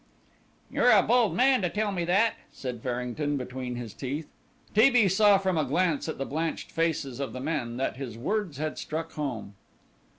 "You are a bold man to tell me that," said Farrington between his teeth. T. B. saw from a glance at the blanched faces of the men that his words had struck home.